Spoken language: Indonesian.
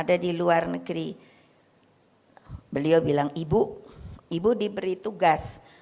aku sudah pernah